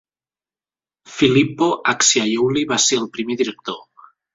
Filippo Acciaiuoli va ser el primer director.